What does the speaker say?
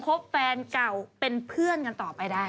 บแฟนเก่าเป็นเพื่อนกันต่อไปได้